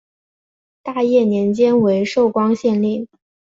大业年间为寿光县令。